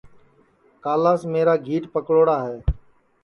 کالاس میرا گھیٹ پکڑوڑا ہے